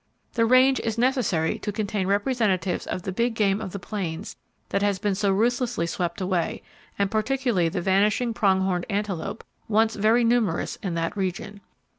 The range is necessary to contain representatives of the big game of the plains that has been so ruthlessly swept away, and particularly the vanishing prong horned antelope, once very numerous in that region.